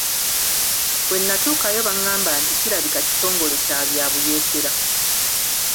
Bwe natuukayo baŋŋamba nti kirabika kitongole kya bya buyeekera.